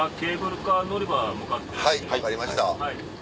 はい分かりました。